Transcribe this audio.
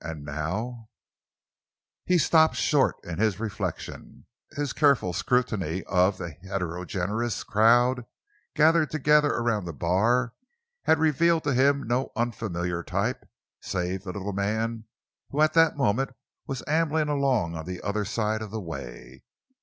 "And now " He stopped short in his reflections. His careful scrutiny of the heterogeneous crowd gathered together around the bar had revealed to him no unfamiliar type save the little man who at that moment was ambling along on the other side of the way.